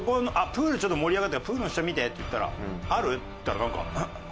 プールちょっと盛り上がってるからプールの下見てって言ったらある？って言ったらなんかあん。